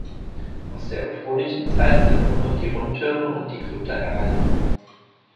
Aus der ottonischen Zeit sind nur noch die Rundtürme und die Krypta erhalten.